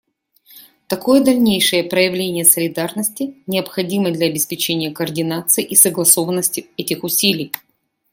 Такое дальнейшее проявление солидарности необходимо для обеспечения координации и согласованности этих усилий.